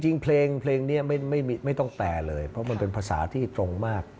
จริงเพลงนี้ไม่ต้องแปลเลยเพราะมันเป็นภาษาที่ตรงมาก